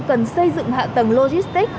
cần xây dựng hạ tầng logistic